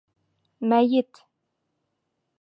Мәйет!